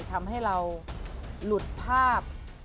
ทำให้เราหลุดภาพ